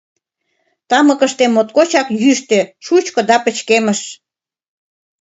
Тамыкыште моткочак йӱштӧ, шучко да пычкемыш...